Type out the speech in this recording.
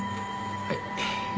はい。